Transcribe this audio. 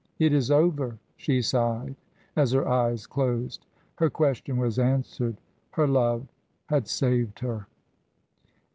"It is over," she sighed, as her eyes closed. Her question was answered; her love had saved her.